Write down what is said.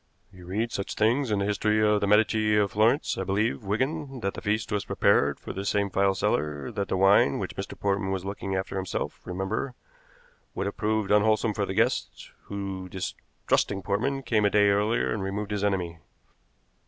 You read such things in the history of the Medici of Florence. I believe, Wigan, that the feast was prepared for this same file seller, that the wine, which Mr. Portman was looking after himself, remember, would have proved unwholesome for the guest, who, distrusting Portman, came a day earlier and removed his enemy."